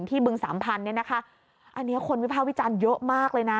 บึงสามพันธุเนี่ยนะคะอันนี้คนวิภาควิจารณ์เยอะมากเลยนะ